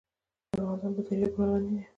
افغانستان په دریابونه غني دی.